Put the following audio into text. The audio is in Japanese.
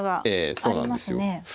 ええそうなんですよ。